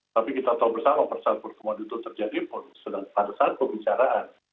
tapi kita tahu bersama persatuan pertemuan itu terjadi pada saat perbicaraan